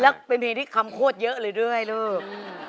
แล้วเป็นเพลงที่คำโคตรเยอะเลยด้วยลูก